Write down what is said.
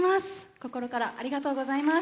心からありがとうございます。